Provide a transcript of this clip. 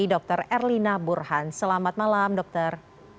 dr erlina burhan selamat malam dokter